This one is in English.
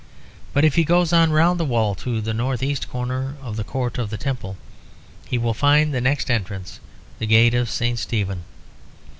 But if he goes on round the wall to the north east corner of the Court of the Temple, he will find the next entrance; the Gate of St. Stephen.